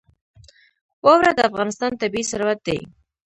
واوره د افغانستان طبعي ثروت دی.